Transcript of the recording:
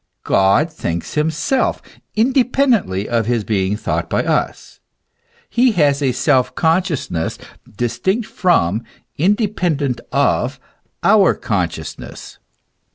God thinks himself, inde pendently of his being thought by us : he has a self conscious ness distinct from, independent of, our consciousness.